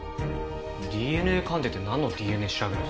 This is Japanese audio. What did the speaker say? ＤＮＡ鑑定ってなんのＤＮＡ調べるんすか？